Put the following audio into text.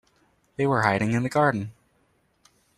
They were hiding in the garden.